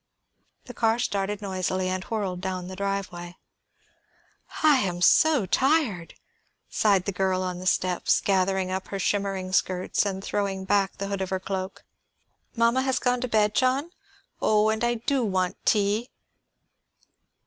The car started noisily, and whirled down the driveway. "I am so tired," sighed the girl on the steps, gathering up her shimmering skirts and throwing back the hood of her cloak. "Mama has gone to bed, John? Oh, and I do want tea!